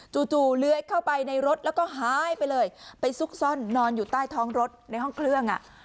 จู่เลื้อยเข้าไปในรถแล้วก็หายไปเลยไปซุกซ่อนนอนอยู่ใต้ท้องรถในห้องเครื่องอ่ะ